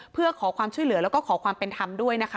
เพื่อขอความช่วยเหลือแล้วก็ขอความเป็นธรรมด้วยนะคะ